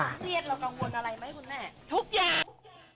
เมื่อกี้เรากังวลอะไรไหมคุณแม่